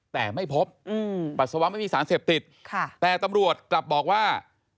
แต่ไม่พบปัสสาวะไม่มีสารเสพติดค่ะแต่ตำรวจกลับบอกว่า